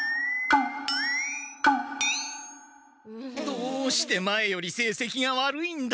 どうして前よりせいせきが悪いんだ！